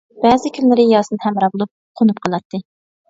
بەزى كۈنلىرى ياسىن ھەمراھ بولۇپ قونۇپ قالاتتى.